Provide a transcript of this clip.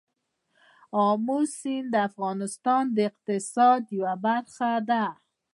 آمو سیند د افغانستان د اقتصاد یوه برخه ده.